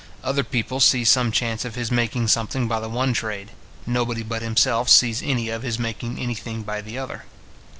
Other people see some chance of his making something by the one trade; nobody but himself sees any of his making any thing by the other.